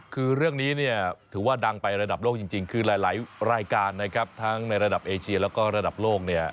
คือเรื่องนี้เนี่ยถือว่าดังไประดับโลกจริงคือหลายรายการนะครับทั้งในระดับเอเชียแล้วก็ระดับโลกเนี่ย